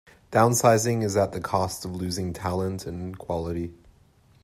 Downsizing is at the cost of losing talent and quality.